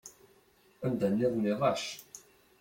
Anda-nniḍen iḍac.